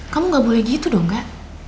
kamu nggak boleh gitu dong enggak